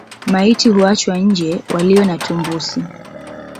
Maiti huachwa nje waliwe na tumbusi